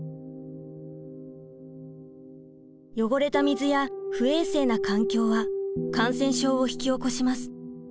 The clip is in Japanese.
汚れた水や不衛生な環境は感染症を引き起こします。